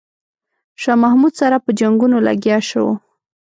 شاه محمود سره په جنګونو لګیا شو.